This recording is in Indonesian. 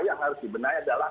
yang harus dibenahi adalah